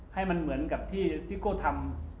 ให้มันเหมือนกับที่โก้ทำ